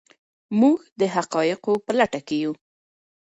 موږ د حقایقو په لټه کې یو.